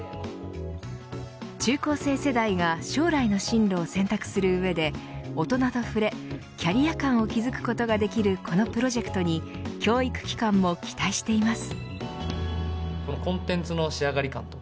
中、高生世代が将来の進路を選択する上で大人と触れ、キャリア観を築くことができるこのプロジェクトに教育機関も期待しています。